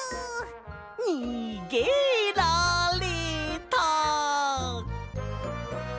にげられた！